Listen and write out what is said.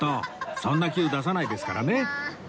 そんなキュー出さないですからね